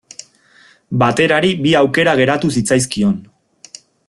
Baterari bi aukera geratu zitzaizkion.